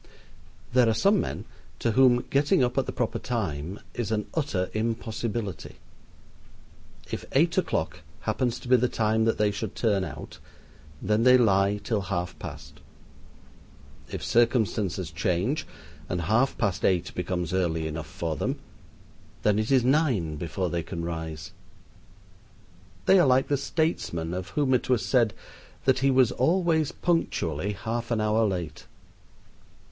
There are some men to whom getting up at the proper time is an utter impossibility. If eight o'clock happens to be the time that they should turn out, then they lie till half past. If circumstances change and half past eight becomes early enough for them, then it is nine before they can rise. They are like the statesman of whom it was said that he was always punctually half an hour late.